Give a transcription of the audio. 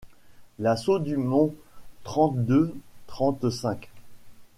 L’assault Dumont trente-deux trente-cinq.